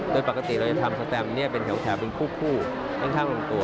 โดยปกติเราก็ทำแสบเป็นแถวแถวเป็นคู่ในข้างลงตัว